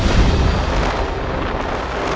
jangan lupa untuk berlangganan